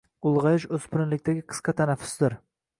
Ulg’ayish o’spirinlikdagi qisqa tanaffusdir.